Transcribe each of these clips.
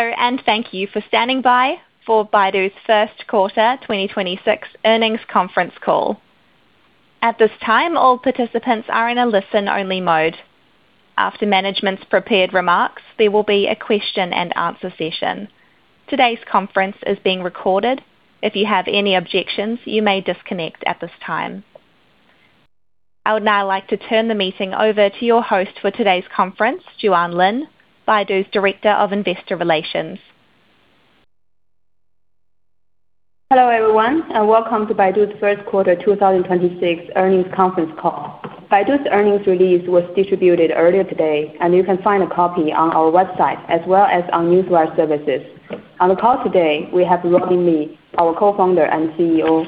Hello, and thank you for standing by for Baidu's first quarter 2026 earnings conference call. At this time, all participants are in a listen-only mode. After management's prepared remarks, there will be a question-and-answer session. Today's conference is being recorded. If you have any objections, you may disconnect at this time. I would now like to turn the meeting over to your host for today's conference, Juan Lin, Baidu's Director of Investor Relations. Hello, everyone, welcome to Baidu's first quarter 2026 earnings conference call. Baidu's earnings release was distributed earlier today, you can find a copy on our website as well as on newswire services. On the call today, we have Robin Li, our Co-founder and CEO;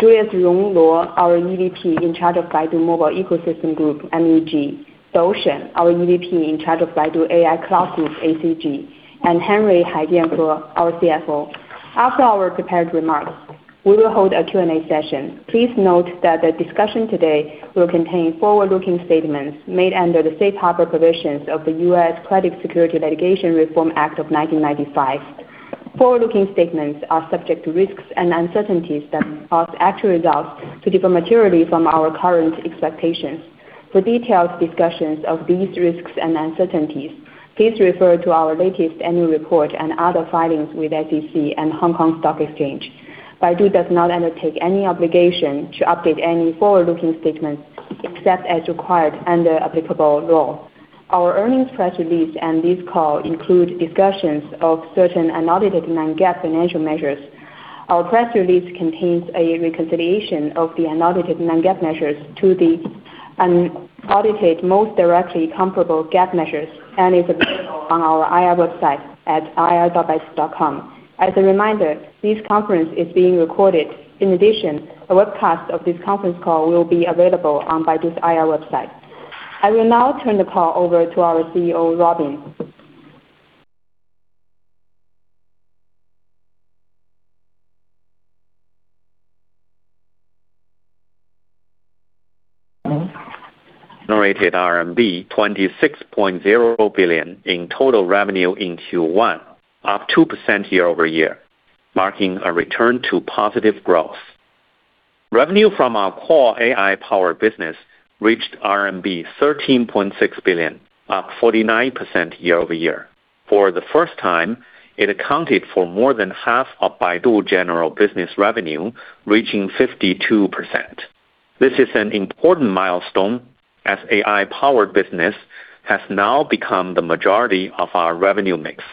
Rong Luo, our EVP in charge of Baidu Mobile Ecosystem Group, MEG; Dou Shen, our EVP in charge of Baidu AI Cloud Group, ACG; Henry Haijian He, our CFO. After our prepared remarks, we will hold a Q&A session. Please note that the discussion today will contain forward-looking statements made under the safe harbor provisions of the U.S. Private Securities Litigation Reform Act of 1995. Forward-looking statements are subject to risks and uncertainties that cause actual results to differ materially from our current expectations. For detailed discussions of these risks and uncertainties, please refer to our latest annual report and other filings with SEC and Hong Kong Stock Exchange. Baidu does not undertake any obligation to update any forward-looking statements except as required under applicable law. Our earnings press release and this call include discussions of certain unaudited non-GAAP financial measures. Our press release contains a reconciliation of the unaudited non-GAAP measures to the unaudited most directly comparable GAAP measures and is available on our IR website at ir.baidu.com. As a reminder, this conference is being recorded. In addition, a webcast of this conference call will be available on Baidu's IR website. I will now turn the call over to our CEO, Robin. RMB 26.0 billion in total revenue in Q1, up 2% year-over-year, marking a return to positive growth. Revenue from our core AI-powered business reached RMB 13.6 billion, up 49% year-over-year. For the first time, it accounted for more than half of Baidu General Business revenue, reaching 52%. This is an important milestone as AI-powered business has now become the majority of our revenue mix.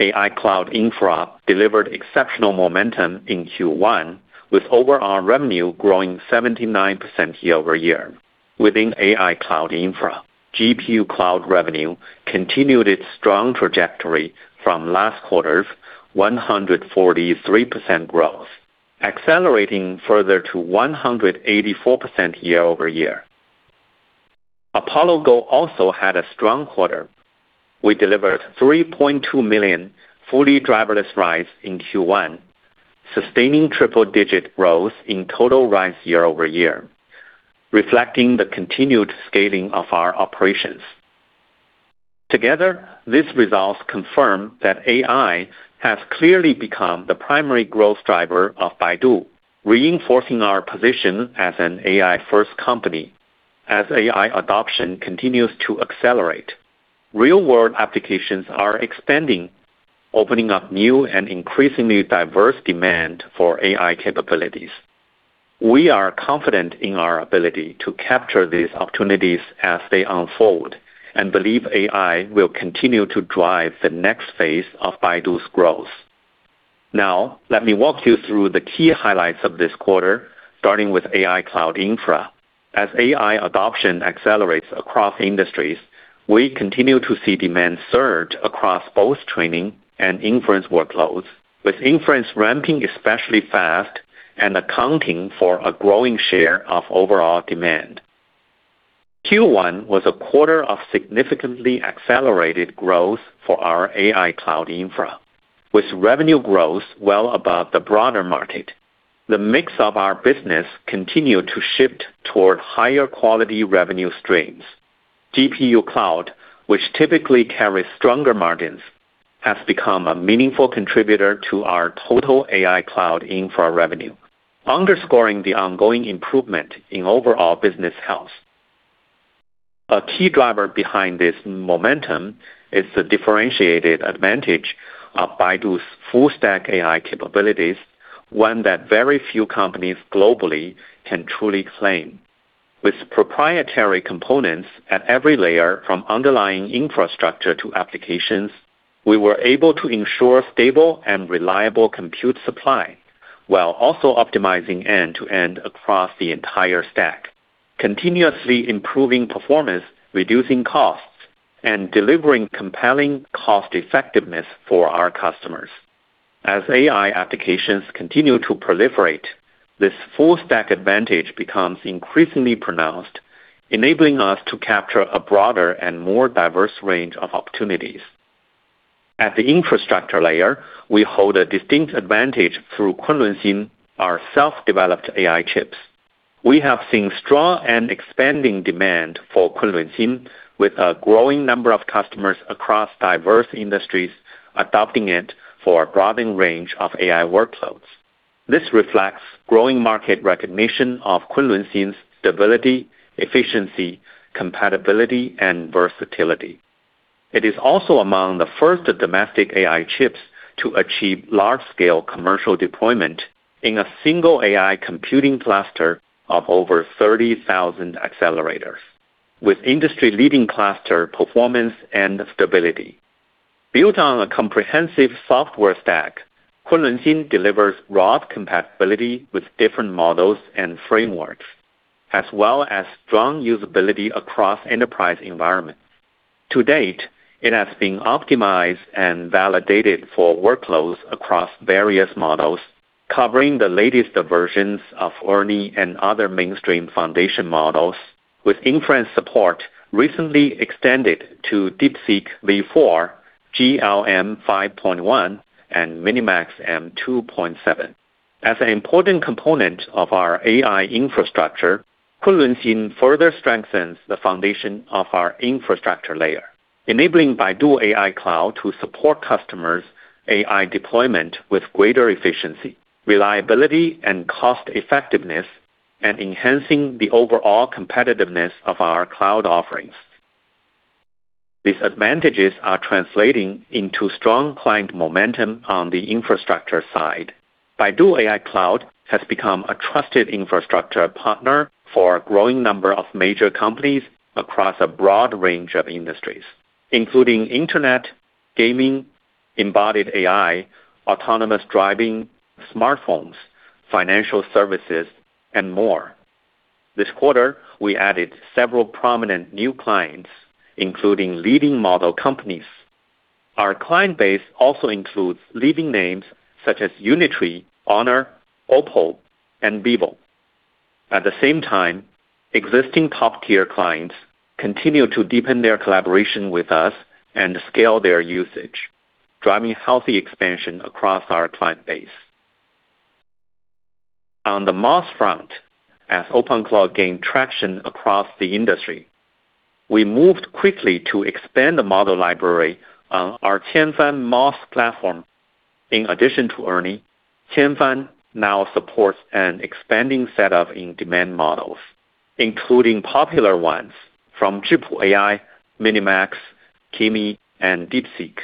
AI Cloud Infra delivered exceptional momentum in Q1, with overall revenue growing 79% year-over-year. Within AI Cloud Infra, GPU Cloud revenue continued its strong trajectory from last quarter's 143% growth, accelerating further to 184% year-over-year. Apollo Go also had a strong quarter. We delivered 3.2 million fully driverless rides in Q1, sustaining triple-digit growth in total rides year-over-year, reflecting the continued scaling of our operations. Together, these results confirm that AI has clearly become the primary growth driver of Baidu, reinforcing our position as an AI-first company. As AI adoption continues to accelerate, real-world applications are expanding, opening up new and increasingly diverse demand for AI capabilities. We are confident in our ability to capture these opportunities as they unfold and believe AI will continue to drive the next phase of Baidu's growth. Now, let me walk you through the key highlights of this quarter, starting with AI Cloud Infra. As AI adoption accelerates across industries, we continue to see demand surge across both training and inference workloads, with inference ramping especially fast and accounting for a growing share of overall demand. Q1 was a quarter of significantly accelerated growth for our AI Cloud Infra. With revenue growth well above the broader market, the mix of our business continued to shift toward higher quality revenue streams. GPU Cloud, which typically carries stronger margins, has become a meaningful contributor to our total AI Cloud Infra revenue, underscoring the ongoing improvement in overall business health. A key driver behind this momentum is the differentiated advantage of Baidu's full-stack AI capabilities, one that very few companies globally can truly claim. With proprietary components at every layer, from underlying infrastructure to applications, we were able to ensure stable and reliable compute supply while also optimizing end-to-end across the entire stack, continuously improving performance, reducing costs, and delivering compelling cost effectiveness for our customers. As AI applications continue to proliferate, this full-stack advantage becomes increasingly pronounced, enabling us to capture a broader and more diverse range of opportunities. At the infrastructure layer, we hold a distinct advantage through Kunlunxin, our self-developed AI chips. We have seen strong and expanding demand for Kunlunxin with a growing number of customers across diverse industries adopting it for a broadening range of AI workloads. This reflects growing market recognition of Kunlunxin's stability, efficiency, compatibility, and versatility. It is also among the first domestic AI chips to achieve large-scale commercial deployment in a single AI computing cluster of over 30,000 accelerators, with industry-leading cluster performance and stability. Built on a comprehensive software stack, Kunlunxin delivers broad compatibility with different models and frameworks, as well as strong usability across enterprise environments. To date, it has been optimized and validated for workloads across various models, covering the latest versions of ERNIE and other mainstream foundation models, with inference support recently extended to DeepSeek V4, GLM 5.1, and MiniMax M2.7. As an important component of our AI infrastructure, Kunlunxin further strengthens the foundation of our infrastructure layer, enabling Baidu AI Cloud to support customers' AI deployment with greater efficiency, reliability, and cost effectiveness, and enhancing the overall competitiveness of our cloud offerings. These advantages are translating into strong client momentum on the infrastructure side. Baidu AI Cloud has become a trusted infrastructure partner for a growing number of major companies across a broad range of industries, including internet, gaming, embodied AI, autonomous driving, smartphones, financial services, and more. This quarter, we added several prominent new clients, including leading model companies. Our client base also includes leading names such as Unitree, Honor, Oppo, and Vivo. At the same time, existing top-tier clients continue to deepen their collaboration with us and scale their usage, driving healthy expansion across our client base. On the MaaS front, as OpenCloud gained traction across the industry, we moved quickly to expand the model library on our Qianfan MaaS platform. In addition to ERNIE, Qianfan now supports an expanding set of in-demand models, including popular ones from Zhipu AI, MiniMax, Kimi, and DeepSeek,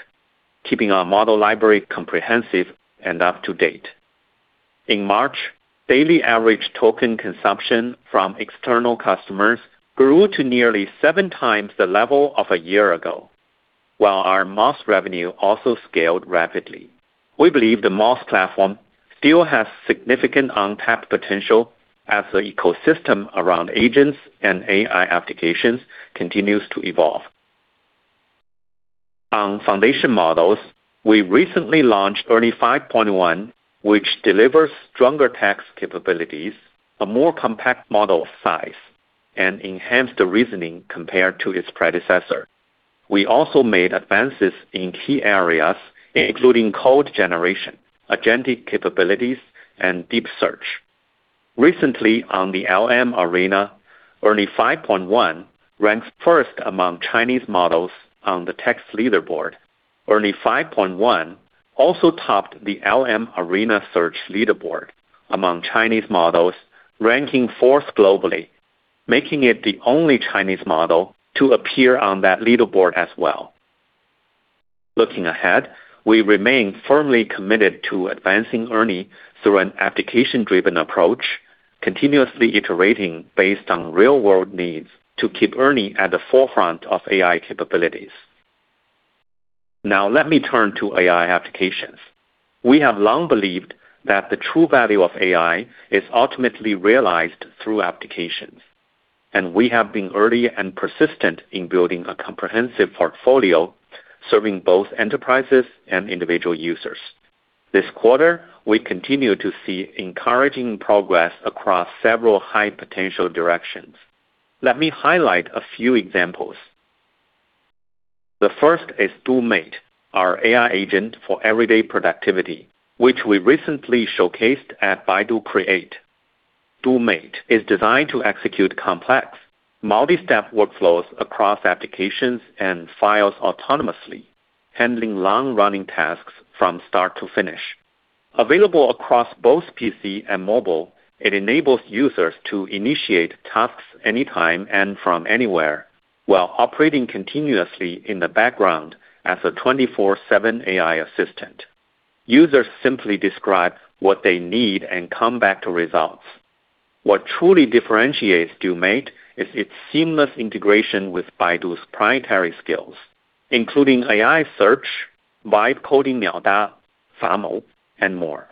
keeping our model library comprehensive and up to date. In March, daily average token consumption from external customers grew to nearly 7x the level of a year ago, while our MaaS revenue also scaled rapidly. We believe the MaaS platform still has significant untapped potential as the ecosystem around agents and AI applications continues to evolve. On foundation models, we recently launched ERNIE 5.1, which delivers stronger text capabilities, a more compact model size, and enhanced reasoning compared to its predecessor. We also made advances in key areas, including code generation, agentic capabilities, and deep search. Recently on the LM Arena, ERNIE 5.1 ranks first among Chinese models on the text leaderboard. ERNIE 5.1 also topped the LM Arena Search leaderboard among Chinese models, ranking fourth globally, making it the only Chinese model to appear on that leaderboard as well. Looking ahead, we remain firmly committed to advancing ERNIE through an application-driven approach, continuously iterating based on real-world needs to keep ERNIE at the forefront of AI capabilities. Now let me turn to AI applications. We have long believed that the true value of AI is ultimately realized through applications, and we have been early and persistent in building a comprehensive portfolio serving both enterprises and individual users. This quarter, we continue to see encouraging progress across several high-potential directions. Let me highlight a few examples. The first is DuMate, our AI agent for everyday productivity, which we recently showcased at Baidu Create. DuMate is designed to execute complex, multi-step workflows across applications and files autonomously, handling long-running tasks from start to finish. Available across both PC and mobile, it enables users to initiate tasks anytime and from anywhere while operating continuously in the background as a 24/7 AI assistant. Users simply describe what they need and come back to results. What truly differentiates DuMate is its seamless integration with Baidu's proprietary skills, including AI search, Vibe Coding Miaoda, Famou, and more.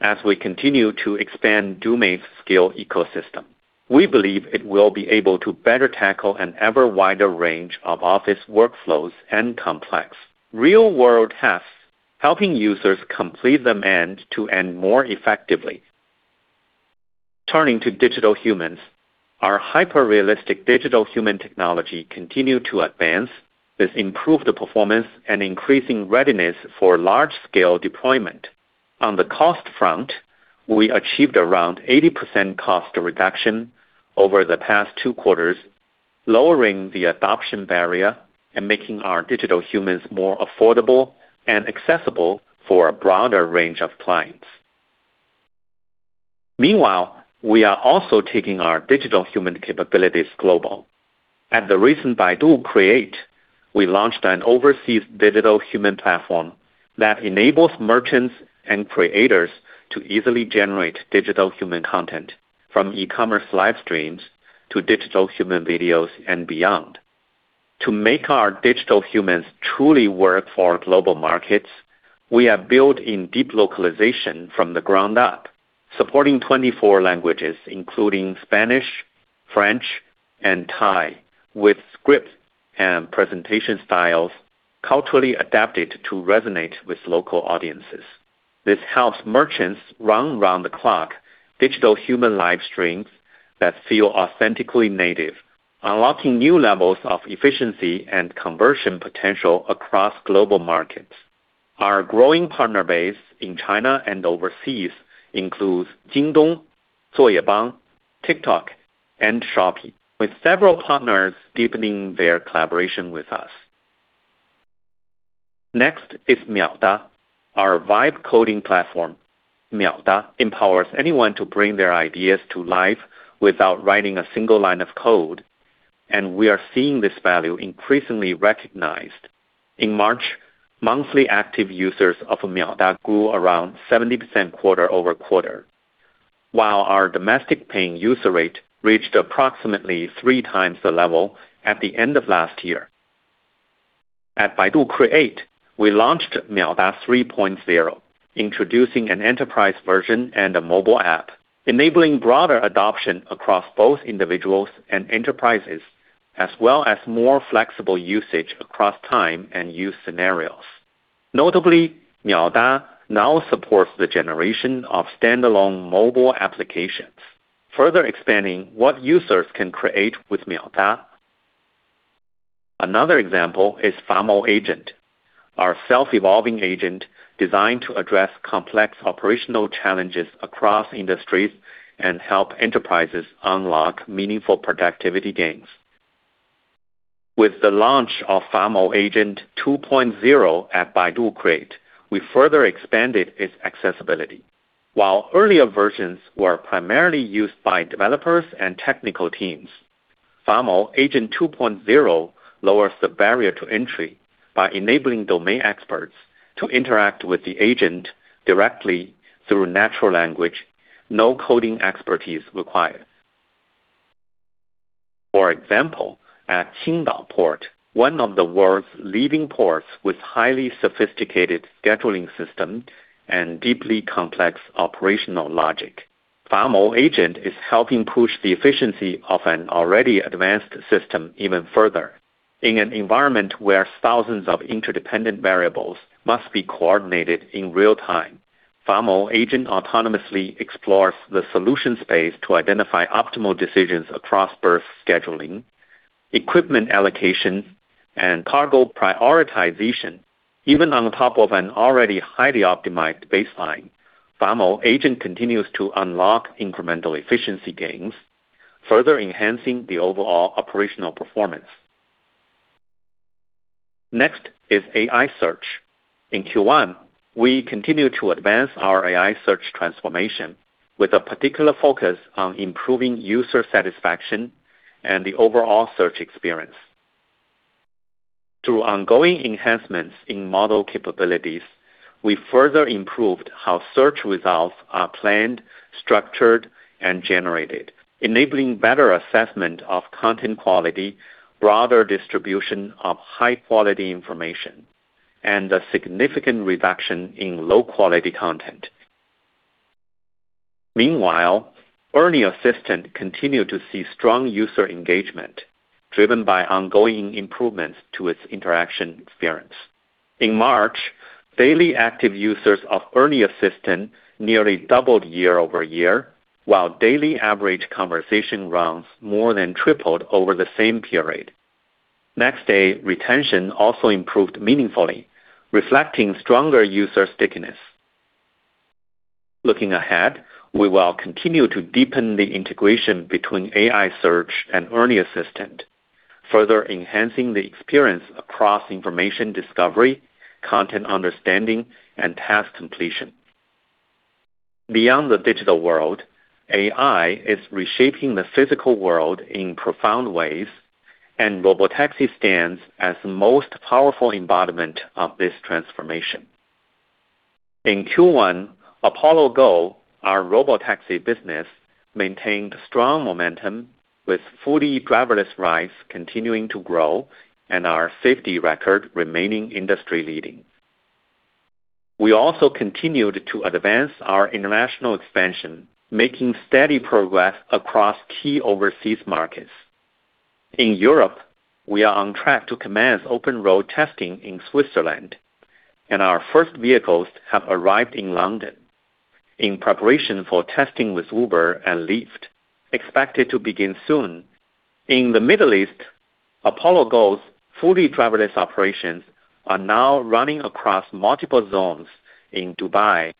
As we continue to expand DuMate's skill ecosystem, we believe it will be able to better tackle an ever-wider range of office workflows and complex real-world tasks, helping users complete them end-to-end more effectively. Turning to digital humans. Our hyper-realistic digital human technology continue to advance with improved performance and increasing readiness for large-scale deployment. On the cost front, we achieved around 80% cost reduction over the past two quarters, lowering the adoption barrier and making our digital humans more affordable and accessible for a broader range of clients. We are also taking our digital human capabilities global. At the recent Baidu Create, we launched an overseas digital human platform that enables merchants and creators to easily generate digital human content from e-commerce live streams to digital human videos and beyond. To make our digital humans truly work for global markets, we have built in deep localization from the ground up, supporting 24 languages, including Spanish, French, and Thai, with script and presentation styles culturally adapted to resonate with local audiences. This helps merchants run round-the-clock digital human live streams that feel authentically native, unlocking new levels of efficiency and conversion potential across global markets. Our growing partner base in China and overseas includes Jingdong, Zuoyebang, TikTok, and Shopee, with several partners deepening their collaboration with us. Next is Miaoda, our vibe coding platform. Miaoda empowers anyone to bring their ideas to life without writing a single line of code, and we are seeing this value increasingly recognized. In March, monthly active users of Miaoda grew around 70% quarter-over-quarter, while our domestic paying user rate reached approximately 3x the level at the end of last year. At Baidu Create, we launched Miaoda 3.0, introducing an enterprise version and a mobile app, enabling broader adoption across both individuals and enterprises, as well as more flexible usage across time and use scenarios. Notably, Miaoda now supports the generation of standalone mobile applications, further expanding what users can create with Miaoda. Another example is Famou Agent, our self-evolving agent designed to address complex operational challenges across industries and help enterprises unlock meaningful productivity gains. With the launch of Famou Agent 2.0 at Baidu Create, we further expanded its accessibility. While earlier versions were primarily used by developers and technical teams, Famou Agent 2.0 lowers the barrier to entry by enabling domain experts to interact with the agent directly through natural language, no coding expertise required. For example, at Qingdao Port, one of the world's leading ports with highly sophisticated scheduling system and deeply complex operational logic. Famou Agent is helping push the efficiency of an already advanced system even further. In an environment where thousands of interdependent variables must be coordinated in real time, Famou Agent autonomously explores the solution space to identify optimal decisions across berth scheduling, equipment allocation, and cargo prioritization. Even on top of an already highly optimized baseline, Famou Agent continues to unlock incremental efficiency gains, further enhancing the overall operational performance. Next is AI search. In Q1, we continue to advance our AI search transformation with a particular focus on improving user satisfaction and the overall search experience. Through ongoing enhancements in model capabilities, we further improved how search results are planned, structured, and generated, enabling better assessment of content quality, broader distribution of high-quality information, and a significant reduction in low-quality content. Meanwhile, ERNIE Assistant continue to see strong user engagement driven by ongoing improvements to its interaction experience. In March, daily active users of ERNIE Assistant nearly doubled year-over-year, while daily average conversation rounds more than tripled over the same period. Next day, retention also improved meaningfully, reflecting stronger user stickiness. Looking ahead, we will continue to deepen the integration between AI search and ERNIE Assistant, further enhancing the experience across information discovery, content understanding, and task completion. Beyond the digital world, AI is reshaping the physical world in profound ways, and robotaxi stands as the most powerful embodiment of this transformation. In Q1, Apollo Go, our robotaxi business, maintained strong momentum with fully driverless rides continuing to grow and our safety record remaining industry-leading. We also continued to advance our international expansion, making steady progress across key overseas markets. In Europe, we are on track to commence open road testing in Switzerland, and our first vehicles have arrived in London in preparation for testing with Uber and Lyft, expected to begin soon. In the Middle East, Apollo Go's fully driverless operations are now running across multiple zones in Dubai.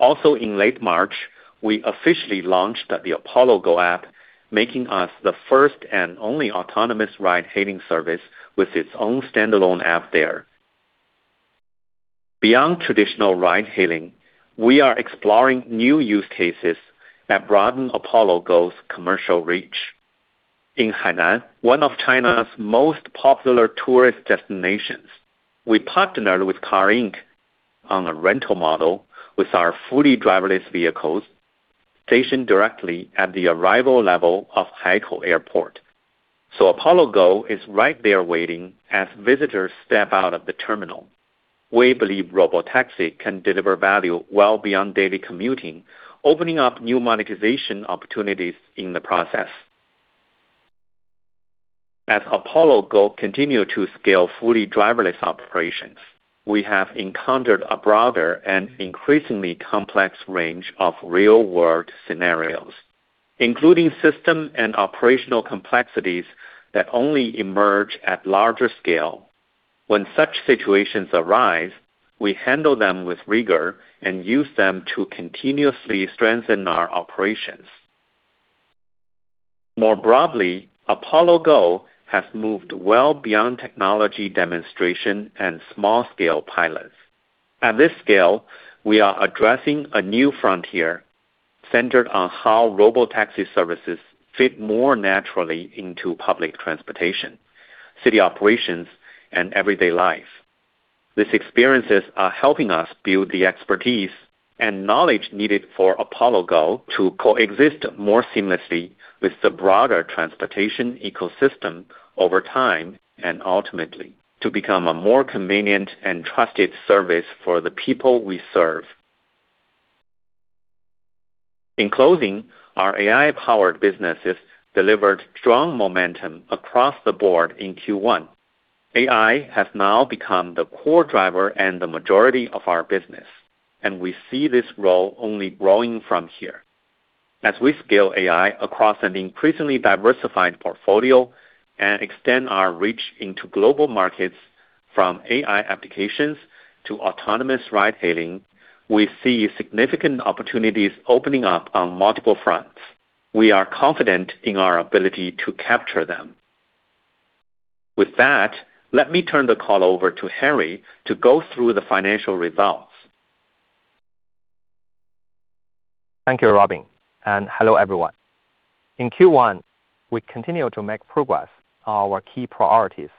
In late March, we officially launched the Apollo Go app, making us the first and only autonomous ride-hailing service with its own standalone app there. Beyond traditional ride-hailing, we are exploring new use cases that broaden Apollo Go's commercial reach. In Hainan, one of China's most popular tourist destinations, we partnered with CAR Inc. on a rental model with our fully driverless vehicles stationed directly at the arrival level of Haikou Airport. Apollo Go is right there waiting as visitors step out of the terminal. We believe robotaxi can deliver value well beyond daily commuting, opening up new monetization opportunities in the process. As Apollo Go continue to scale fully driverless operations, we have encountered a broader and increasingly complex range of real-world scenarios, including system and operational complexities that only emerge at larger scale. When such situations arise, we handle them with rigor and use them to continuously strengthen our operations. More broadly, Apollo Go has moved well beyond technology demonstration and small scale pilots. At this scale, we are addressing a new frontier centered on how robotaxi services fit more naturally into public transportation, city operations, and everyday life. These experiences are helping us build the expertise and knowledge needed for Apollo Go to coexist more seamlessly with the broader transportation ecosystem over time, and ultimately, to become a more convenient and trusted service for the people we serve. In closing, our AI-powered businesses delivered strong momentum across the board in Q1. AI has now become the core driver and the majority of our business, and we see this role only growing from here. As we scale AI across an increasingly diversified portfolio and extend our reach into global markets from AI applications to autonomous ride hailing, we see significant opportunities opening up on multiple fronts. We are confident in our ability to capture them. With that, let me turn the call over to Henry to go through the financial results. Thank you, Robin, and hello, everyone. In Q1, we continued to make progress on our key priorities,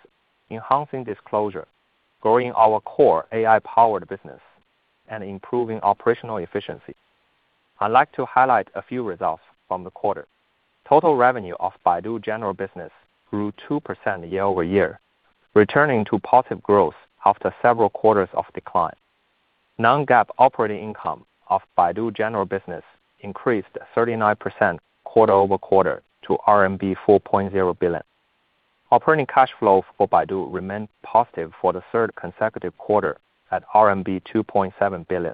enhancing disclosure, growing our core AI-powered business, and improving operational efficiency. I'd like to highlight a few results from the quarter. Total revenue of Baidu General Business grew 2% year-over-year, returning to positive growth after several quarters of decline. non-GAAP operating income of Baidu General Business increased 39% quarter-over-quarter to RMB 4.0 billion. Operating cash flow for Baidu remained positive for the third consecutive quarter at RMB 2.7 billion,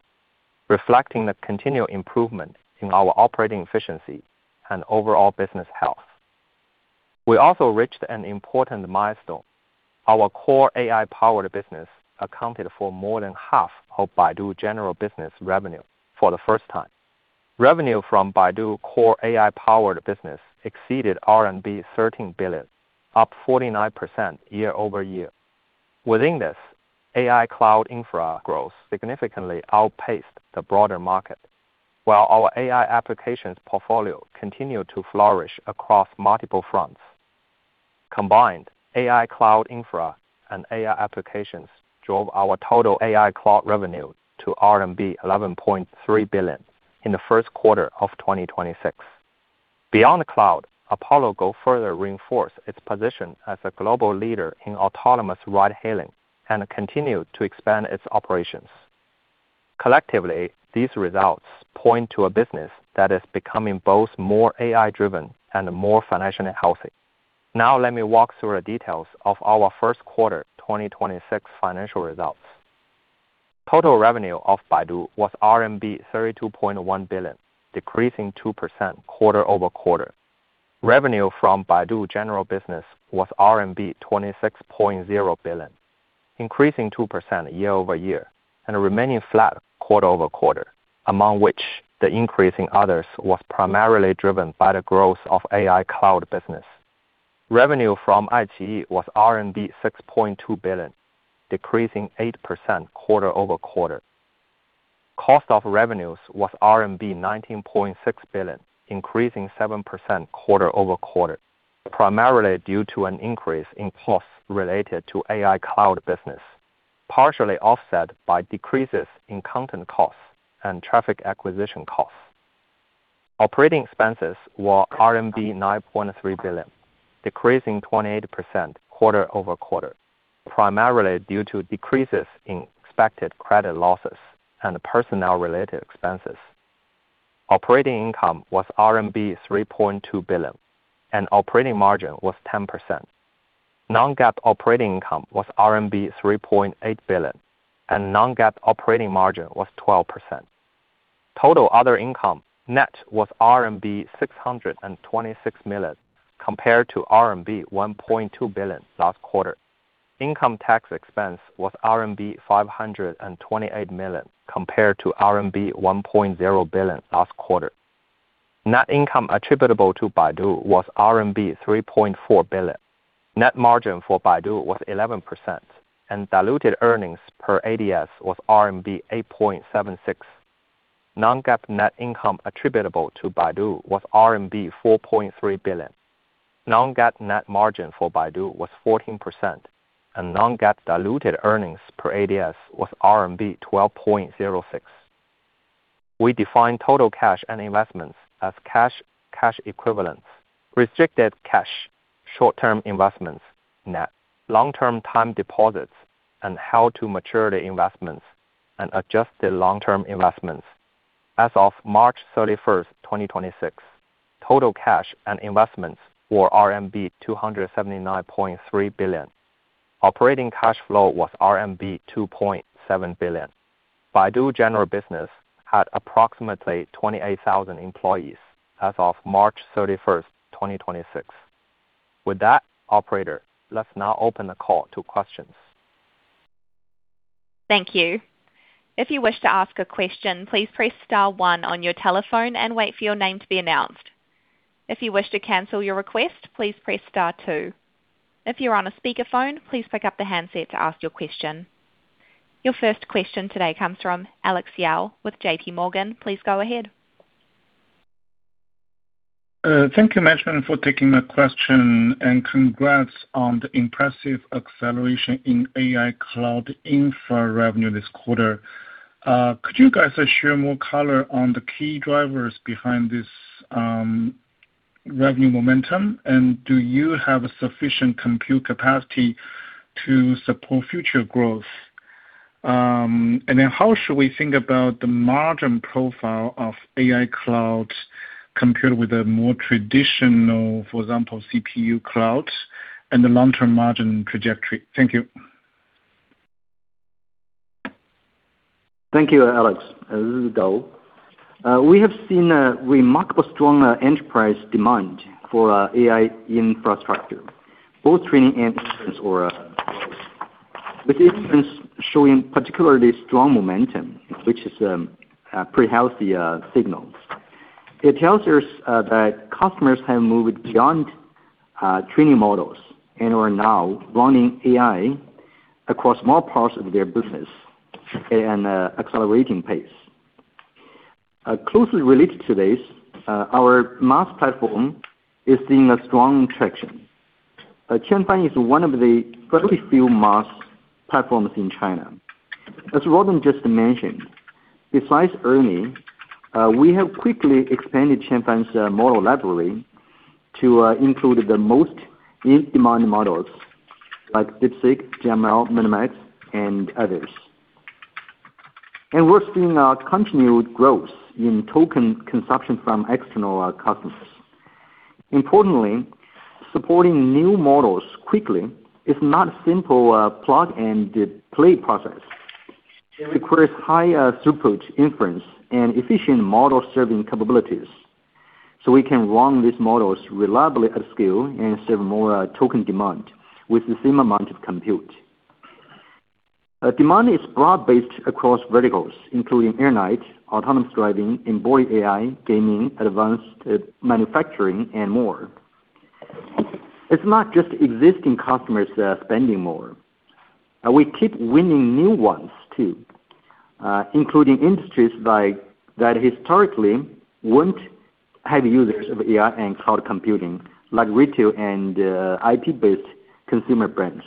reflecting the continued improvement in our operating efficiency and overall business health. We also reached an important milestone. Our core AI-powered business accounted for more than half of Baidu General Business revenue for the first time. Revenue from Baidu core AI-powered business exceeded RMB 13 billion, up 49% year-over-year. Within this, AI Cloud Infra growth significantly outpaced the broader market, while our AI applications portfolio continued to flourish across multiple fronts. Combined, AI Cloud Infra and AI applications drove our total AI cloud revenue to RMB 11.3 billion in the first quarter of 2026. Beyond the cloud, Apollo Go further reinforced its position as a global leader in autonomous ride hailing and continued to expand its operations. Collectively, these results point to a business that is becoming both more AI driven and more financially healthy. Now let me walk through the details of our first quarter 2026 financial results. Total revenue of Baidu was RMB 32.1 billion, decreasing 2% quarter-over-quarter. Revenue from Baidu General Business was RMB 26.0 billion, increasing 2% year-over-year and remaining flat quarter-over-quarter, among which the increase in others was primarily driven by the growth of AI Cloud business. Revenue from iQIYI was RMB 6.2 billion, decreasing 8% quarter-over-quarter. Cost of revenues was RMB 19.6 billion, increasing 7% quarter-over-quarter, primarily due to an increase in costs related to AI Cloud business, partially offset by decreases in content costs and traffic acquisition costs. Operating expenses were RMB 9.3 billion, decreasing 28% quarter-over-quarter, primarily due to decreases in expected credit losses and personnel-related expenses. Operating income was RMB 3.2 billion, and operating margin was 10%. Non-GAAP operating income was RMB 3.8 billion, and non-GAAP operating margin was 12%. Total other income net was RMB 626 million compared to RMB 1.2 billion last quarter. Income tax expense was RMB 528 million compared to RMB 1.0 billion last quarter. Net income attributable to Baidu was RMB 3.4 billion. Net margin for Baidu was 11%, and diluted earnings per ADS was RMB 8.76. Non-GAAP net income attributable to Baidu was RMB 4.3 billion. Non-GAAP net margin for Baidu was 14%, and non-GAAP diluted earnings per ADS was RMB 12.06. We define total cash and investments as cash, cash equivalents, restricted cash, short-term investments, net long-term time deposits, and held-to-maturity investments and adjust the long-term investments. As of March 31st, 2026, total cash and investments were RMB 279.3 billion. Operating cash flow was RMB 2.7 billion. Baidu General Business had approximately 28,000 employees as of March 31st, 2026. With that, operator, let's now open the call to questions. Thank you. If you wish to ask a question, please press star one on your telephone and wait for your name to be announced. If you wish to cancel your request, please press star two. If you are on a speaker phone, please pick the handset to ask your question. Your first question today comes from Alex Yao with JPMorgan. Please go ahead. Thank you, management, for taking my question, and congrats on the impressive acceleration in AI Cloud Infra revenue this quarter. Could you guys share more color on the key drivers behind this revenue momentum? Do you have a sufficient compute capacity to support future growth? How should we think about the margin profile of AI cloud compared with a more traditional, for example, CPU cloud and the long-term margin trajectory? Thank you. Thank you, Alex. This is Dou. We have seen a remarkable strong enterprise demand for AI infrastructure, both training and inference, with inference showing particularly strong momentum, which is pretty healthy signals. It tells us that customers have moved beyond training models and are now running AI across more parts of their business and accelerating pace. Closely related to this, our MaaS platform is seeing a strong traction. Qianfan is one of the very few MaaS platforms in China. As Robin just mentioned, besides ERNIE, we have quickly expanded Qianfan's model library to include the most in-demand models like DeepSeek, Gemini, MiniMax, and others. We're seeing continued growth in token consumption from external customers. Importantly, supporting new models quickly is not a simple plug-and-play process. It requires high throughput inference and efficient model serving capabilities, so we can run these models reliably at scale and serve more token demand with the same amount of compute. Demand is broad-based across verticals, including aeronautics, autonomous driving, onboard AI, gaming, advanced manufacturing, and more. It's not just existing customers spending more. We keep winning new ones too, including industries that historically won't have users of AI and cloud computing, like retail and IP-based consumer brands.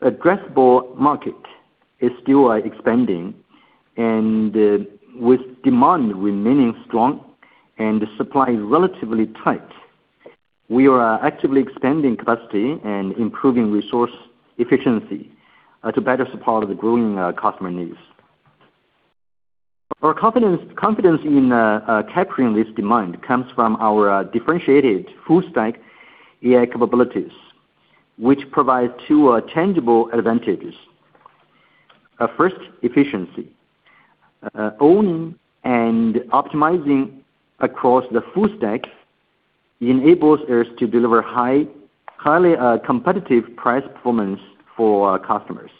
The addressable market is still expanding, and with demand remaining strong and supply relatively tight, we are actively expanding capacity and improving resource efficiency to better support the growing customer needs. Our confidence in capturing this demand comes from our differentiated full-stack AI capabilities, which provide two tangible advantages. First, efficiency. Owning and optimizing across the full stack enables us to deliver highly competitive price performance for our customers.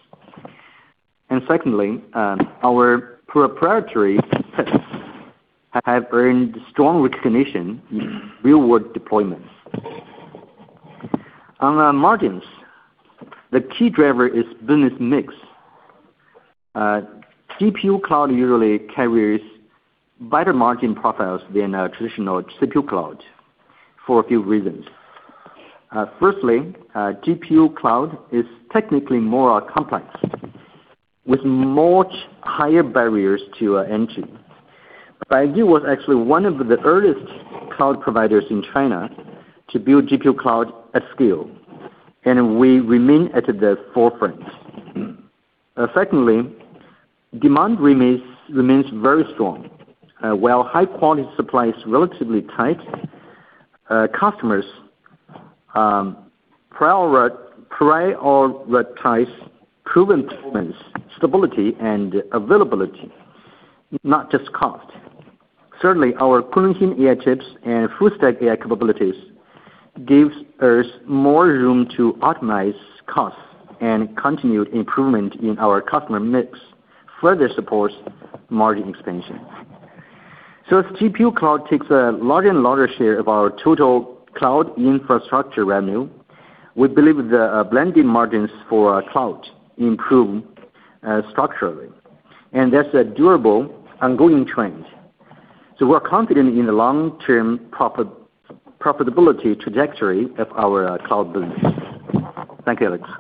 Secondly, our proprietary tests have earned strong recognition in real-world deployments. On the margins, the key driver is business mix. GPU Cloud usually carries better margin profiles than a traditional CPU cloud for a few reasons. Firstly, GPU Cloud is technically more complex, with much higher barriers to entry. Baidu was actually one of the earliest cloud providers in China to build GPU Cloud at scale. We remain at the forefront. Secondly, demand remains very strong. While high quality supply is relatively tight, customers prioritize proven performance, stability and availability, not just cost. Certainly, our Kunlunxin AI chips and full-stack AI capabilities gives us more room to optimize costs and continued improvement in our customer mix, further supports margin expansion. As GPU Cloud takes a larger and larger share of our total cloud infrastructure revenue, we believe the blending margins for our cloud improve structurally, and that's a durable ongoing trend. We're confident in the long-term profitability trajectory of our cloud business. Thank you, Alex.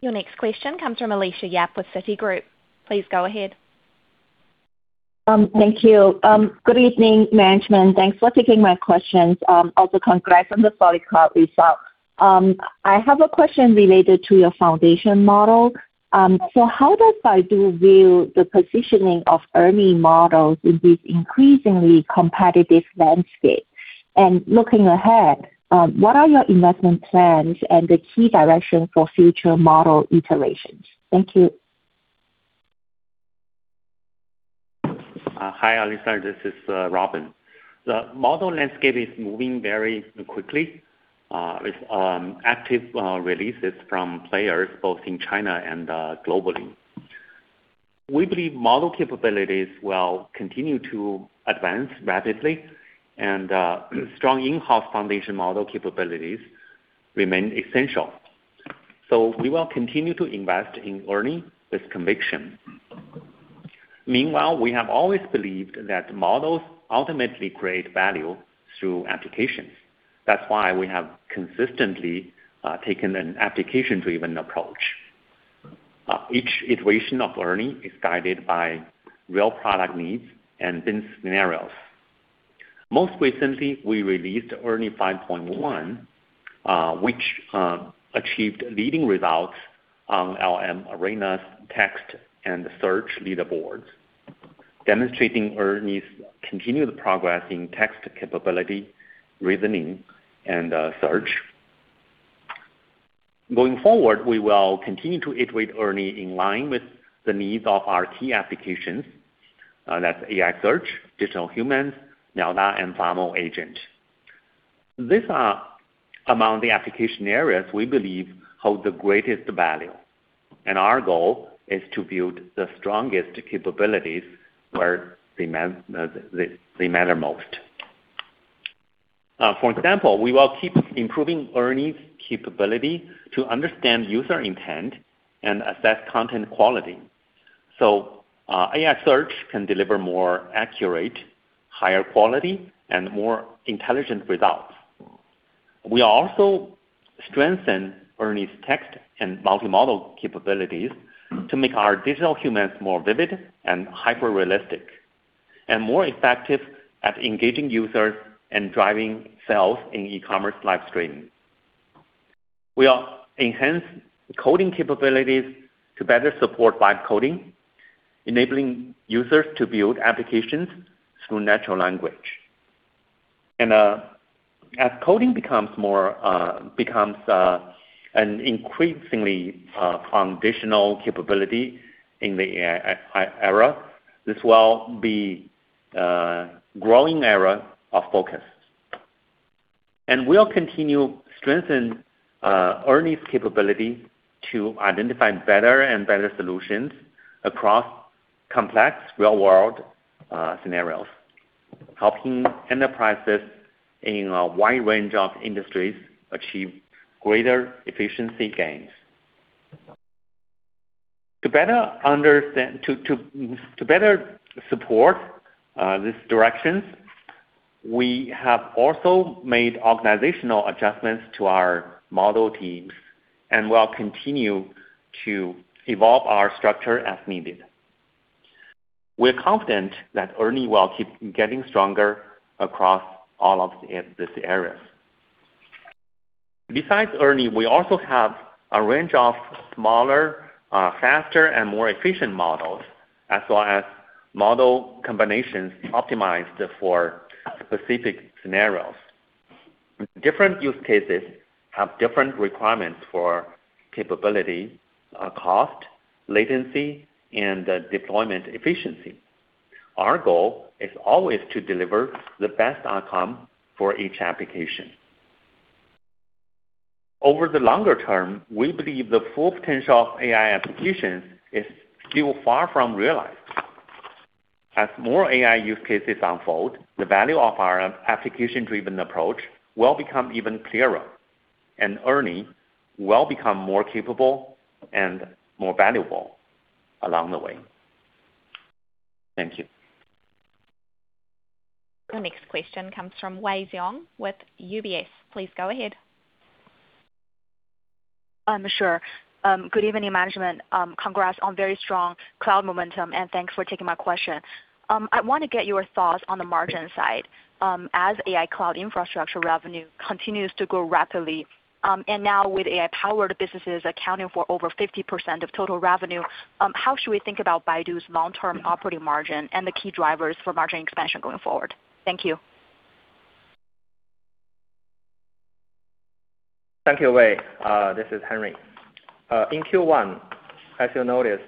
Your next question comes from Alicia Yap with Citigroup. Please go ahead. Thank you. Good evening management. Thanks for taking my questions. Also congrats on the solid cloud results. I have a question related to your foundation model. How does Baidu view the positioning of ERNIE models in this increasingly competitive landscape? Looking ahead, what are your investment plans and the key direction for future model iterations? Thank you. Hi, Alicia. This is Robin. The model landscape is moving very quickly, with active releases from players both in China and globally. We believe model capabilities will continue to advance rapidly and strong in-house foundation model capabilities remain essential. We will continue to invest in ERNIE with conviction. Meanwhile, we have always believed that models ultimately create value through applications, that's why we have consistently taken an application-driven approach. Each iteration of ERNIE is guided by real product needs and business scenarios. Most recently, we released ERNIE 5.1, which achieved leading results on LM Arena, text and search leaderboards, demonstrating ERNIE's continued progress in text capability, reasoning, and search. We will continue to iterate ERNIE in line with the needs of our key applications, that's AI search, digital humans, Miaoda and Famou Agent. These are among the application areas we believe hold the greatest value, and our goal is to build the strongest capabilities where they matter most. For example, we will keep improving ERNIE's capability to understand user intent and assess content quality. AI search can deliver more accurate, higher quality and more intelligent results. We also strengthen ERNIE's text and multi-model capabilities to make our digital humans more vivid and hyperrealistic, and more effective at engaging users and driving sales in e-commerce live streaming. We are enhance coding capabilities to better support vibe coding, enabling users to build applications through natural language. As coding becomes an increasingly foundational capability in the AI era, this will be a growing area of focus. We'll continue strengthen ERNIE's capability to identify better and better solutions across complex real-world scenarios, helping enterprises in a wide range of industries achieve greater efficiency gains. To better support these directions, we have also made organizational adjustments to our model teams, and we'll continue to evolve our structure as needed. We're confident that ERNIE will keep getting stronger across all of these areas. Besides ERNIE, we also have a range of smaller, faster, and more efficient models, as well as model combinations optimized for specific scenarios. Different use cases have different requirements for capability, cost, latency, and deployment efficiency. Our goal is always to deliver the best outcome for each application. Over the longer term, we believe the full potential of AI applications is still far from realized. As more AI use cases unfold, the value of our application-driven approach will become even clearer, and ERNIE will become more capable and more valuable along the way. Thank you. The next question comes from Wei Xiong with UBS. Please go ahead. Sure. Good evening management. Congrats on very strong cloud momentum, and thanks for taking my question. I wanna get your thoughts on the margin side, as AI Cloud Infra revenue continues to grow rapidly, and now with AI-powered businesses accounting for over 50% of total revenue, how should we think about Baidu's long-term operating margin and the key drivers for margin expansion going forward? Thank you. Thank you, Wei. This is Henry. In Q1, as you'll notice,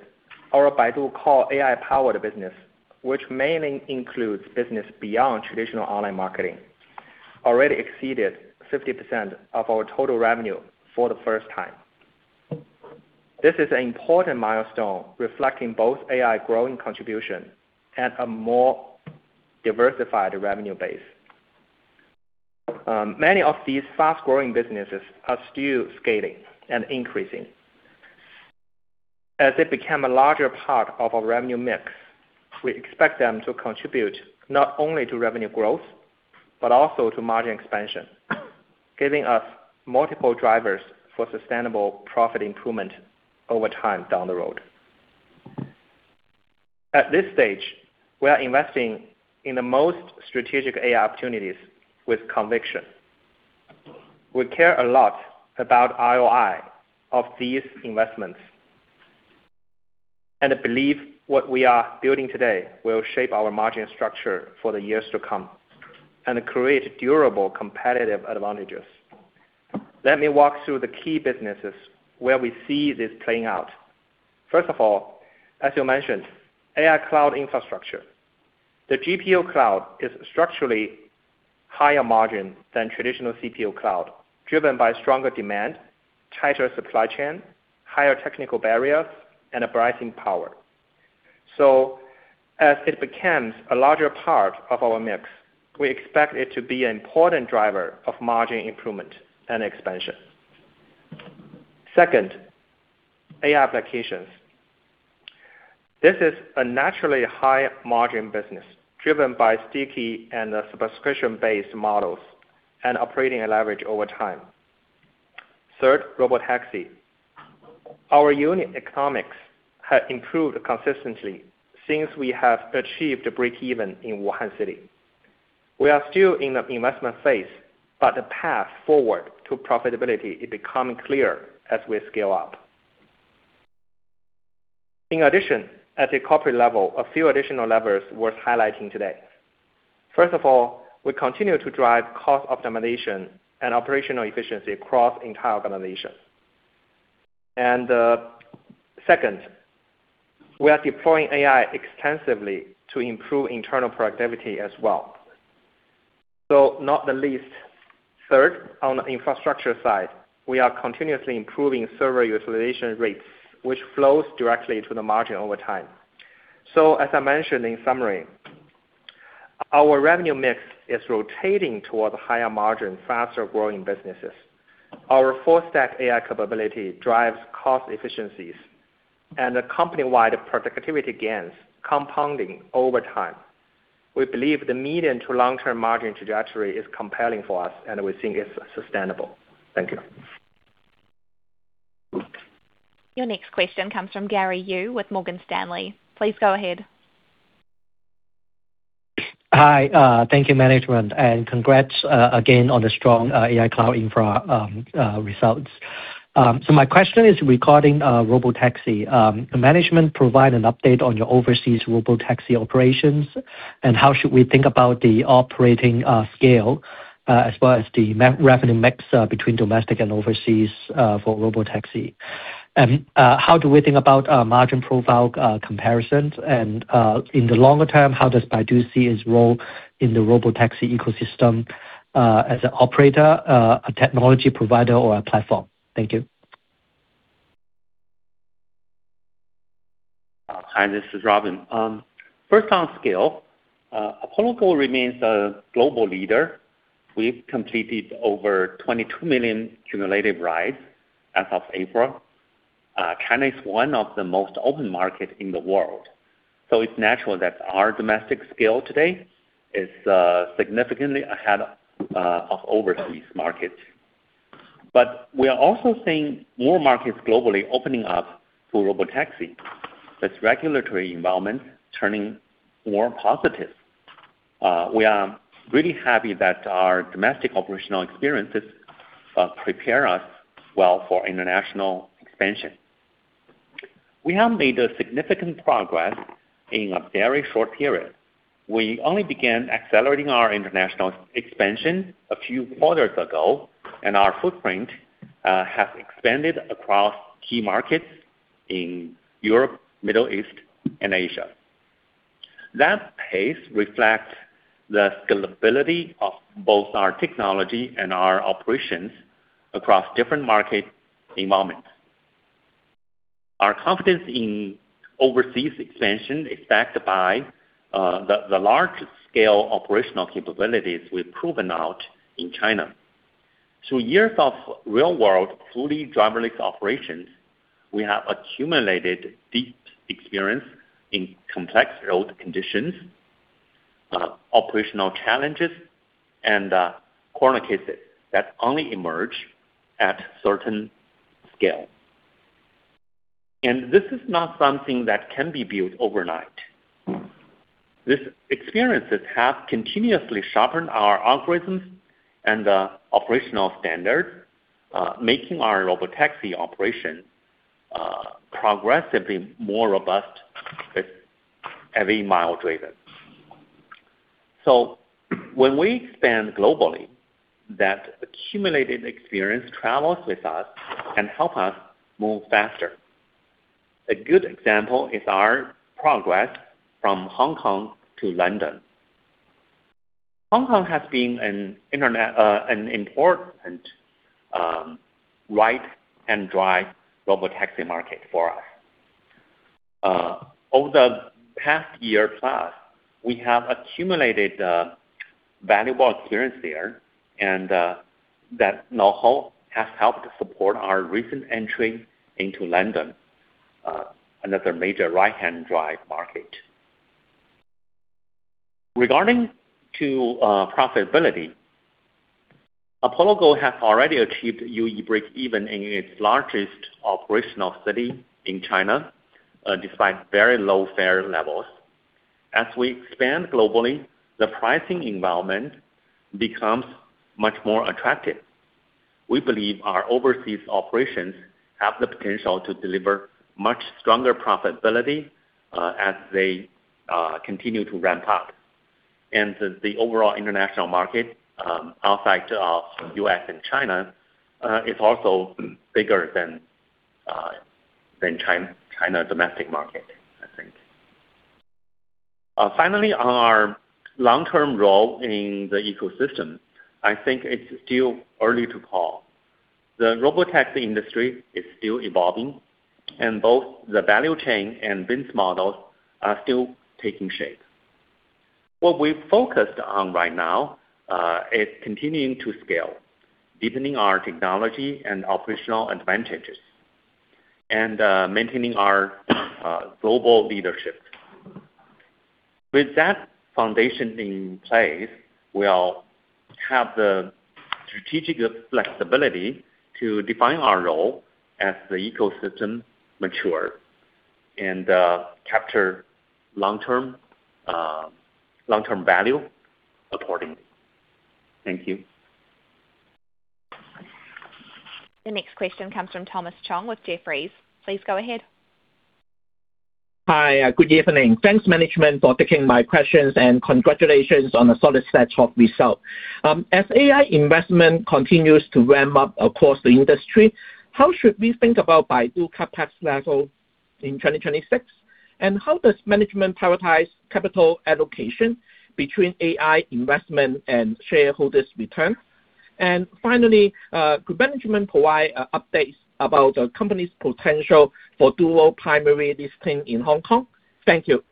our Baidu core AI-powered business, which mainly includes business beyond traditional online marketing, already exceeded 50% of our total revenue for the first time. This is an important milestone reflecting both AI growing contribution and a more diversified revenue base. Many of these fast-growing businesses are still scaling and increasing. As they become a larger part of our revenue mix, we expect them to contribute not only to revenue growth but also to margin expansion, giving us multiple drivers for sustainable profit improvement over time down the road. At this stage, we are investing in the most strategic AI opportunities with conviction. We care a lot about ROI of these investments, and I believe what we are building today will shape our margin structure for the years to come and create durable competitive advantages. Let me walk through the key businesses where we see this playing out. First of all, as you mentioned, AI cloud infrastructure. The GPU Cloud is structurally higher margin than traditional CPU cloud, driven by stronger demand, tighter supply chain, higher technical barriers and a pricing power. As it becomes a larger part of our mix, we expect it to be an important driver of margin improvement and expansion. Second, AI applications. This is a naturally high margin business driven by sticky and subscription-based models and operating leverage over time. Third, robotaxi. Our unit economics have improved consistently since we have achieved breakeven in Wuhan City. We are still in an investment phase, but the path forward to profitability is becoming clear as we scale up. In addition, at a corporate level, a few additional levers worth highlighting today. First of all, we continue to drive cost optimization and operational efficiency across entire organization. Second, we are deploying AI extensively to improve internal productivity as well. Not the least, third, on the infrastructure side, we are continuously improving server utilization rates, which flows directly to the margin over time. As I mentioned in summary, our revenue mix is rotating towards higher margin, faster growing businesses. Our full stack AI capability drives cost efficiencies and the company-wide productivity gains compounding over time. We believe the medium to long-term margin trajectory is compelling for us, and we think it's sustainable. Thank you. Your next question comes from Gary Yu with Morgan Stanley. Please go ahead. Hi. Thank you, management. Congrats again on the strong AI Cloud Infra results. My question is regarding robotaxi. Can management provide an update on your overseas robotaxi operations, and how should we think about the operating scale, as well as the revenue mix between domestic and overseas for robotaxi? How do we think about margin profile comparisons? In the longer term, how does Baidu see its role in the robotaxi ecosystem, as an operator, a technology provider or a platform? Thank you. Hi, this is Robin. First on scale, Apollo Go remains a global leader. We've completed over 22 million cumulative rides as of April. China is one of the most open market in the world, so it's natural that our domestic scale today is significantly ahead of overseas markets. We are also seeing more markets globally opening up to robotaxi. This regulatory environment is turning more positive. We are really happy that our domestic operational experiences prepare us well for international expansion. We have made significant progress in a very short period. We only began accelerating our international expansion a few quarters ago, and our footprint has expanded across key markets in Europe, Middle East, and Asia. That pace reflects the scalability of both our technology and our operations across different market environments. Our confidence in overseas expansion is backed by the large scale operational capabilities we've proven out in China. Through years of real-world, fully driverless operations, we have accumulated deep experience in complex road conditions. Operational challenges, corner cases that only emerge at certain scale. This is not something that can be built overnight. These experiences have continuously sharpened our algorithms, operational standards, making our robotaxi operation progressively more robust with every mile driven. When we expand globally, that accumulated experience travels with us and help us move faster. A good example is our progress from Hong Kong to London. Hong Kong has been an important right hand drive robotaxi market for us. Over the past year plus, we have accumulated valuable experience there, that know-how has helped support our recent entry into London, another major right hand drive market. Regarding profitability, Apollo Go has already achieved UE breakeven in its largest operational city in China, despite very low fare levels. As we expand globally, the pricing environment becomes much more attractive. We believe our overseas operations have the potential to deliver much stronger profitability, as they continue to ramp up. The overall international market, outside of U.S. and China, is also bigger than China domestic market, I think. Finally, on our long-term role in the ecosystem, I think it's still early to call. The robotaxi industry is still evolving, and both the value chain and business models are still taking shape. What we've focused on right now is continuing to scale, deepening our technology and operational advantages, and maintaining our global leadership. With that foundation in place, we'll have the strategic flexibility to define our role as the ecosystem matures and capture long-term value accordingly. Thank you. The next question comes from Thomas Chong with Jefferies. Please go ahead. Hi. Good evening. Thanks, management, for taking my questions, and congratulations on the solid set of results. As AI investment continues to ramp up across the industry, how should we think about Baidu CapEx level in 2026? How does management prioritize capital allocation between AI investment and shareholders' return? Finally, could management provide updates about the company's potential for dual primary listing in Hong Kong? Thank you.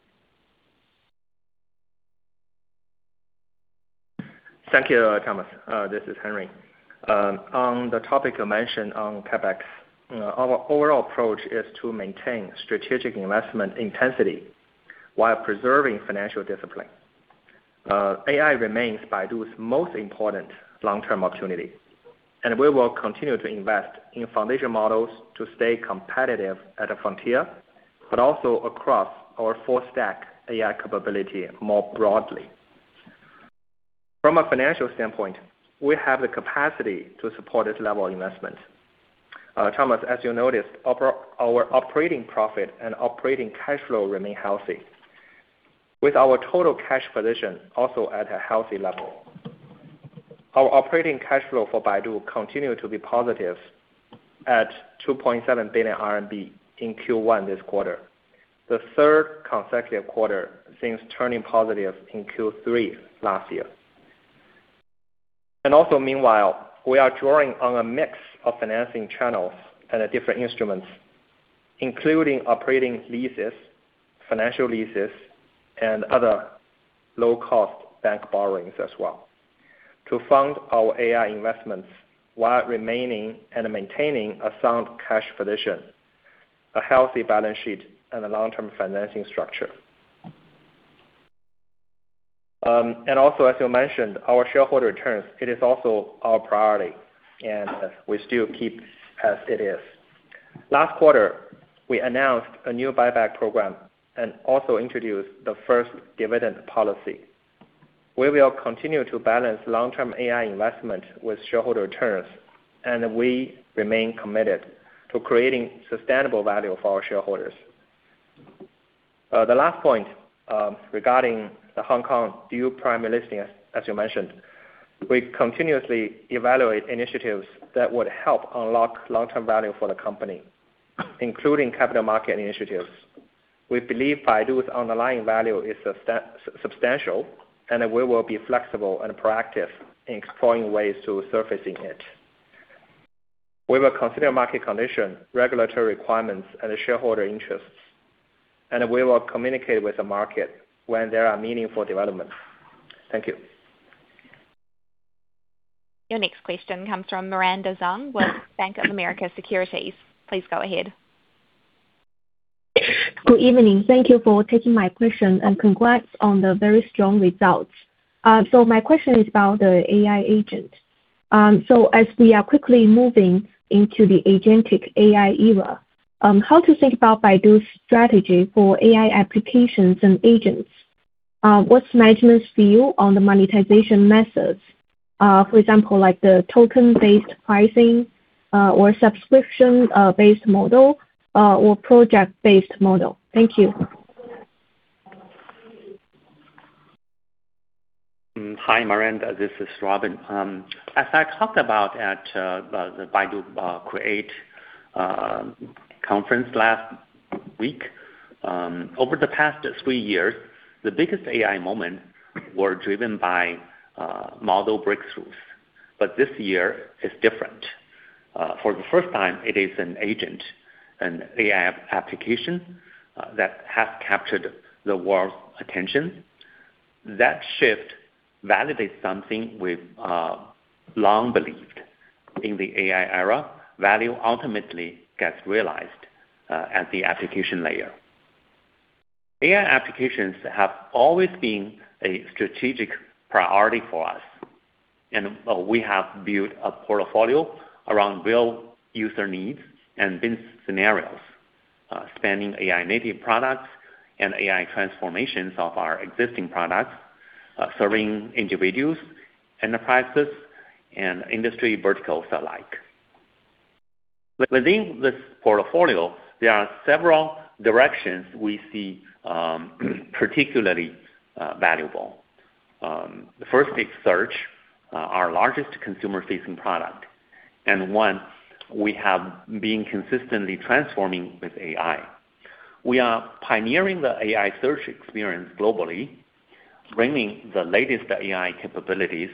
Thank you, Thomas. This is Henry. On the topic you mentioned on CapEx, our overall approach is to maintain strategic investment intensity while preserving financial discipline. AI remains Baidu's most important long-term opportunity, and we will continue to invest in foundation models to stay competitive at the frontier, but also across our full-stack AI capability more broadly. From a financial standpoint, we have the capacity to support this level of investment. Thomas, as you noticed, our operating profit and operating cash flow remain healthy, with our total cash position also at a healthy level. Our operating cash flow for Baidu continued to be positive at 2.7 billion RMB in Q1 this quarter, the third consecutive quarter since turning positive in Q3 last year. Meanwhile, we are drawing on a mix of financing channels and the different instruments, including operating leases, financial leases, and other low-cost bank borrowings as well to fund our AI investments while remaining and maintaining a sound cash position, a healthy balance sheet, and a long-term financing structure. As you mentioned, our shareholder returns, it is also our priority, and we still keep as it is. Last quarter, we announced a new buyback program and also introduced the first dividend policy. We will continue to balance long-term AI investment with shareholder returns, and we remain committed to creating sustainable value for our shareholders. The last point regarding the Hong Kong dual primary listing, as you mentioned, we continuously evaluate initiatives that would help unlock long-term value for the company, including capital market initiatives. We believe Baidu's underlying value is substantial. We will be flexible and proactive in exploring ways to surfacing it. We will consider market condition, regulatory requirements, and shareholder interests. We will communicate with the market when there are meaningful developments. Thank you. Your next question comes from Miranda Zhuang with Bank of America Securities. Please go ahead. Good evening. Thank you for taking my question, and congrats on the very strong results. My question is about the AI agent. As we are quickly moving into the agentic AI era, how to think about Baidu's strategy for AI applications and agents? What's management's view on the monetization methods? For example, like the token-based pricing, or subscription-based model, or project-based model. Thank you. Hi, Miranda. This is Robin. As I talked about at the Baidu Create conference last week, over the past three years, the biggest AI moment were driven by model breakthroughs, this year is different. For the first time, it is an agent, an AI application that has captured the world's attention. That shift validates something we've long believed. In the AI era, value ultimately gets realized at the application layer. AI applications have always been a strategic priority for us, and we have built a portfolio around real user needs and business scenarios, spanning AI native products and AI transformations of our existing products, serving individuals, enterprises, and industry verticals alike. Within this portfolio, there are several directions we see particularly valuable. The first is search, our largest consumer-facing product, and one we have been consistently transforming with AI. We are pioneering the AI search experience globally, bringing the latest AI capabilities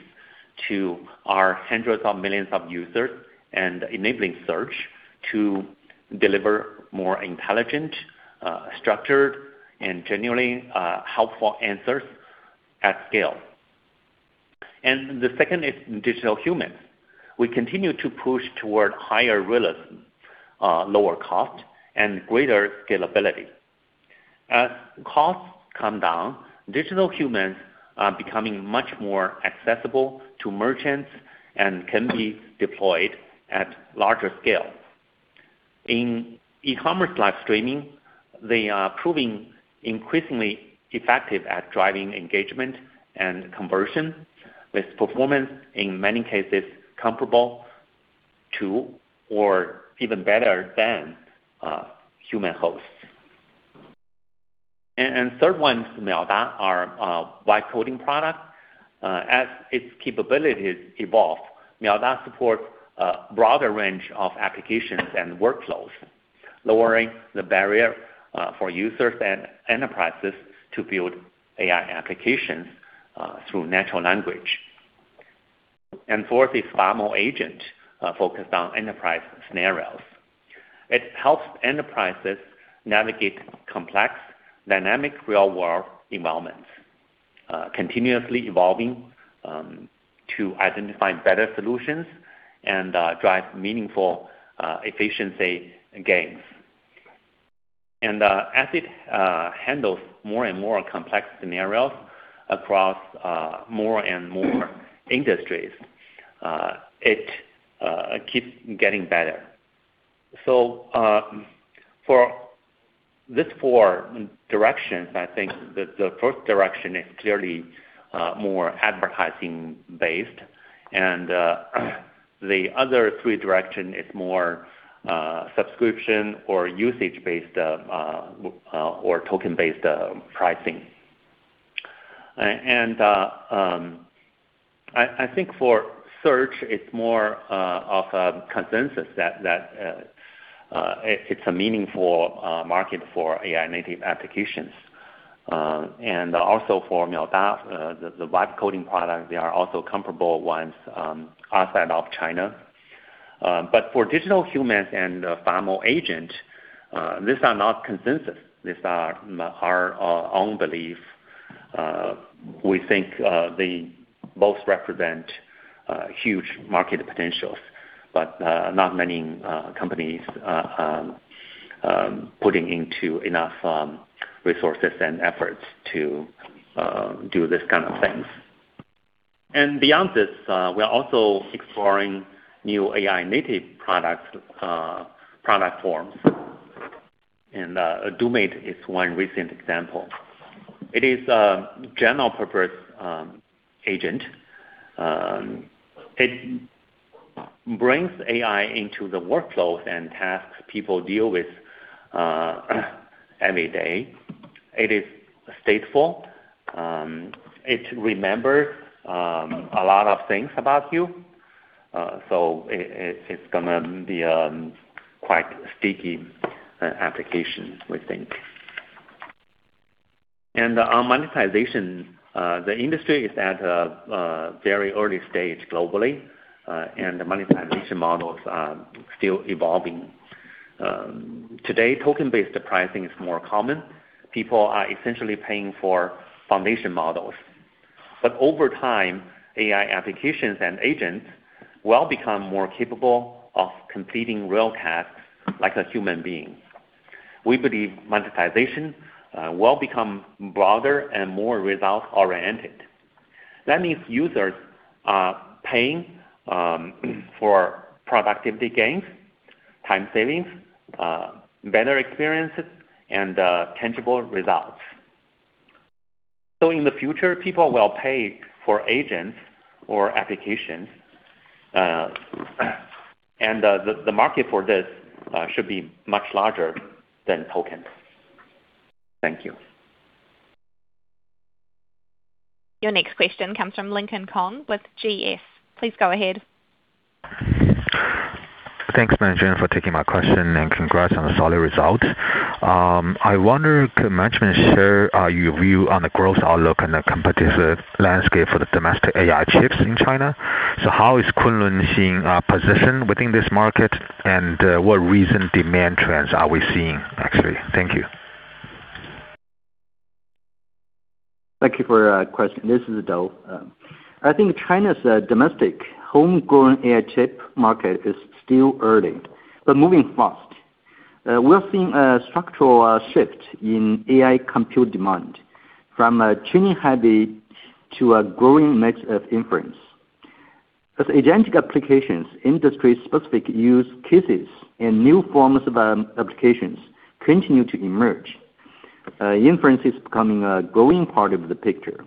to our hundreds of millions of users and enabling search to deliver more intelligent, structured, and genuinely helpful answers at scale. The second is digital humans. We continue to push toward higher realism, lower cost, and greater scalability. As costs come down, digital humans are becoming much more accessible to merchants and can be deployed at larger scale. In e-commerce live streaming, they are proving increasingly effective at driving engagement and conversion with performance in many cases comparable to or even better than human hosts. The third one is Miaoda, our vibe coding product. As its capabilities evolve, Miaoda supports a broader range of applications and workflows, lowering the barrier for users and enterprises to build AI applications through natural language. Fourth is Famou Agent, focused on enterprise scenarios. It helps enterprises navigate complex dynamic real-world environments, continuously evolving to identify better solutions and drive meaningful efficiency gains. As it handles more and more complex scenarios across more and more industries, it keeps getting better. For these four directions, I think the first direction is clearly more advertising based and the other three direction is more subscription or usage-based or token-based pricing. I think for search, it's more of a consensus that it's a meaningful market for AI native applications. Also for Miaoda, the vibe coding product, they are also comparable ones outside of China. For digital humans and Famou Agent, these are not consensus. These are our own belief. We think they both represent huge market potentials, but not many companies are putting into enough resources and efforts to do this kind of things. Beyond this, we are also exploring new AI native product forms. DuMate is one recent example. It is a general purpose agent. It brings AI into the workflows and tasks people deal with every day. It is stateful. It remembers a lot of things about you. It's gonna be quite sticky application, we think. On monetization, the industry is at a very early stage globally, and the monetization models are still evolving. Today, token-based pricing is more common. People are essentially paying for foundation models. Over time, AI applications and agents will become more capable of completing real tasks like a human being. We believe monetization will become broader and more results-oriented. That means users are paying for productivity gains, time savings, better experiences and tangible results. In the future, people will pay for agents or applications, and the market for this should be much larger than tokens. Thank you. Your next question comes from Lincoln Kong with GS. Please go ahead. Thanks, management, for taking my question. Congrats on the solid result. I wonder, could management share your view on the growth outlook and the competitive landscape for the domestic AI chips in China? How is Kunlunxin position within this market, and what recent demand trends are we seeing actually? Thank you. Thank you for the question. This is Dou. I think China's domestic homegrown AI chip market is still early, but moving fast. We're seeing a structural shift in AI compute demand from a training heavy to a growing mix of inference. As agentic applications, industry specific use cases and new forms of applications continue to emerge, inference is becoming a growing part of the picture.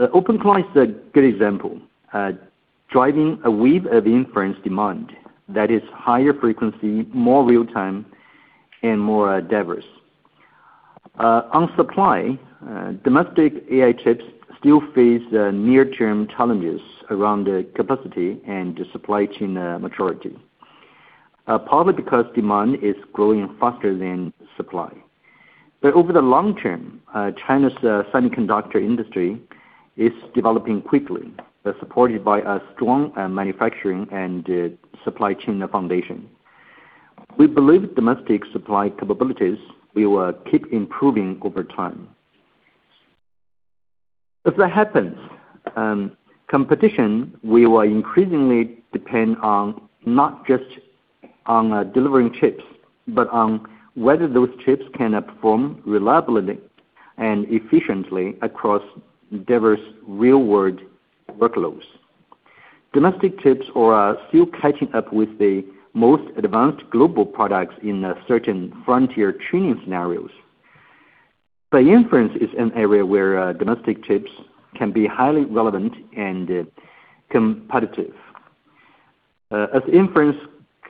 OpenClaw is a good example, driving a wave of inference demand that is higher frequency, more real-time and more diverse. On supply, domestic AI chips still face near-term challenges around the capacity and the supply chain maturity. Partly because demand is growing faster than supply. Over the long term, China's semiconductor industry is developing quickly, supported by a strong manufacturing and supply chain foundation. We believe domestic supply capabilities will keep improving over time. As that happens, competition will increasingly depend on not just on delivering chips, but on whether those chips can perform reliably and efficiently across diverse real-world workloads. Domestic chips are still catching up with the most advanced global products in certain frontier training scenarios. Inference is an area where domestic chips can be highly relevant and competitive. As inference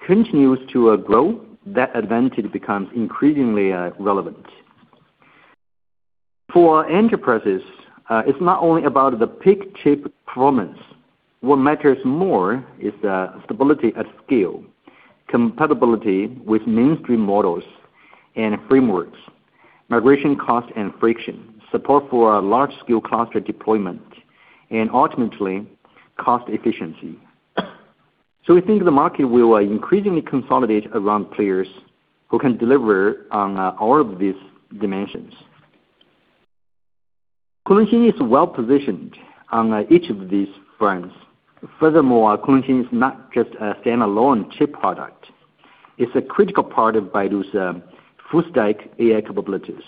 continues to grow, that advantage becomes increasingly relevant. For enterprises, it's not only about the peak chip performance. What matters more is the stability at scale, compatibility with mainstream models and frameworks, migration cost and friction, support for a large scale cluster deployment, and ultimately cost efficiency. We think the market will increasingly consolidate around players who can deliver on all of these dimensions. Kunlunxin is well positioned on each of these fronts. Furthermore, Kunlunxin is not just a standalone chip product. It's a critical part of Baidu's full stack AI capabilities.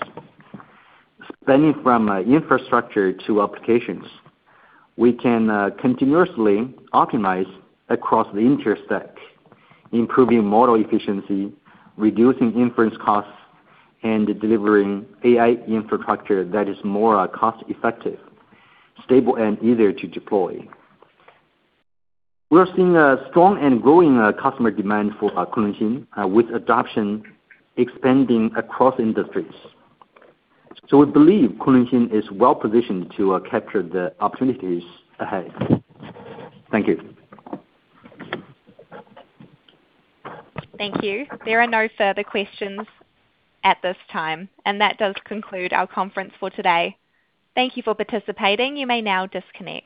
Spanning from infrastructure to applications, we can continuously optimize across the entire stack, improving model efficiency, reducing inference costs, and delivering AI infrastructure that is more cost-effective, stable and easier to deploy. We are seeing a strong and growing customer demand for Kunlunxin with adoption expanding across industries. We believe Kunlunxin is well positioned to capture the opportunities ahead. Thank you. Thank you. There are no further questions at this time, and that does conclude our conference for today. Thank you for participating. You may now disconnect.